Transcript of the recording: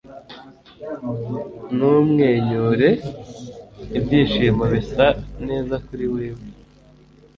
numwenyure! ibyishimo bisa neza kuri wewe